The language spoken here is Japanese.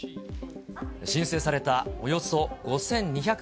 申請されたおよそ５２００